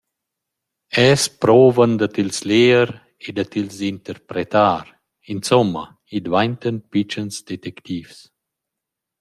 Els prouvan da tils leger e da tils interpretar –insomma: i dvaintan pitschens detectivs.